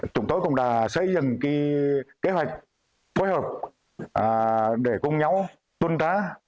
chúng tôi cũng đã xây dựng kế hoạch phối hợp để cùng nhau tuân trá